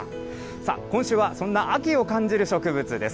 さあ、今週はそんな秋を感じる植物です。